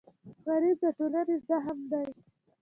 غریب د ټولنې زخم دی